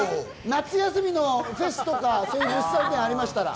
夏休みのフェスとか、そういう物産展ありましたら。